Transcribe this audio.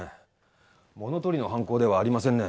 物取りの犯行ではありませんね。